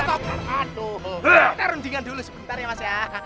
kita rendingan dulu sebentar ya mas